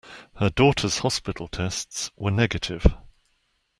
Her daughter's hospital tests were negative.